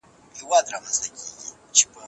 حق غوښتل د مظلوم کار دی.